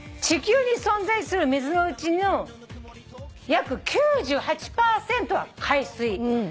地球に存在する水のうちの約９８％は海水。